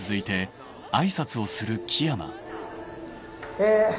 え